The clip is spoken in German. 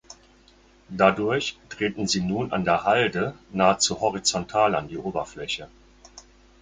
Dadurch treten sie nun an der Halde nahezu horizontal an die Oberfläche.